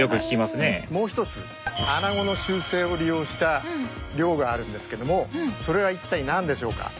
もう一つアナゴの習性を利用した漁があるんですけどもそれは一体なんでしょうか？